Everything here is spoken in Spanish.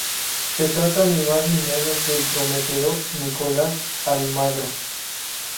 Se trata ni más ni menos del prometedor Nicolás Almagro.